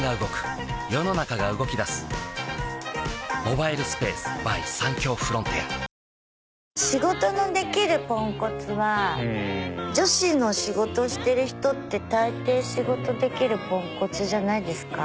トニックの前にはシャンプーも仕事のできるポンコツは女子の仕事してる人って大抵仕事できるポンコツじゃないですか？